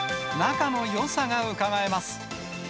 仲のよさがうかがえます。